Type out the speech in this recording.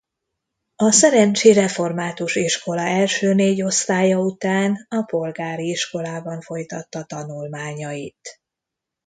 A szerencsi református iskola első négy osztálya után a polgári iskolában folytatta tanulmányait.